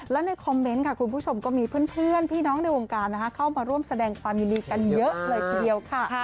และในคอมเมนต์ก็มีเพื่อนน้องในวงการเข้ามาร่วมสาดแดงความยินดีกันเยอะเลยเดียว